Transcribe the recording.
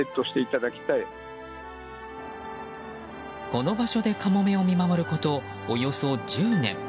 この場所でカモメを見守ることおよそ１０年。